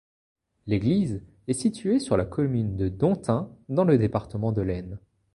L'église est située sur la commune de Domptin, dans le département de l'Aisne.